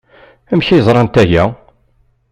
Amek ay ẓrant aya?